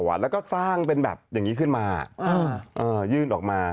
แล้วก็สร้างเป็นแบบอย่างนี้ขึ้นมายื่นออกมา